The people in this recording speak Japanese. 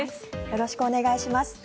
よろしくお願いします。